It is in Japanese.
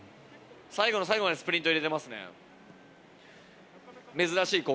最後の最後までスプリント入れてますね。